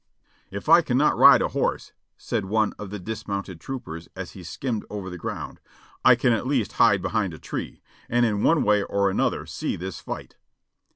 "If I can not ride a horse," said one of the dismounted troop ers as he skimmed over the ground, "I can at least hide behind a tree, and in one way or another see this fight."